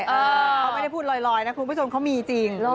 เขาไม่ได้พูดลอยนะคุณผู้ชมเขามีจริง